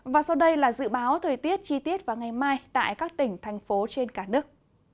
và sau đây là dự báo thời tiết chi tiết vào ngày mai tại các tỉnh thành phố trên cả nước